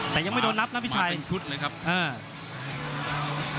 แต่ยังไม่โดนนับนะพี่ชัย